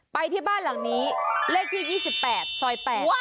ไปที่บ้านหลังนี้เลขที่๒๘ซอย๘